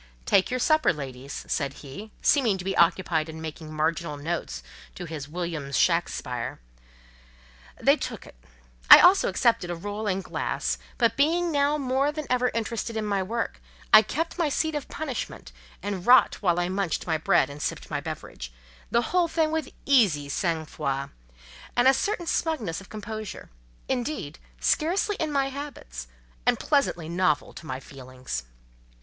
"Take your supper, ladies," said he, seeming to be occupied in making marginal notes to his "Williams Shackspire." They took it. I also accepted a roll and glass, but being now more than ever interested in my work, I kept my seat of punishment, and wrought while I munched my bread and sipped my beverage, the whole with easy sang froid; with a certain snugness of composure, indeed, scarcely in my habits, and pleasantly novel to my feelings.